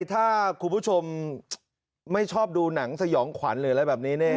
ถ้าคุณผู้ชมไม่ชอบดูหนังสยองขวัญหรืออะไรแบบนี้